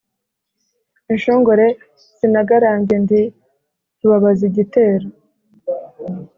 inshongore sinagarambye ndi rubabazigitero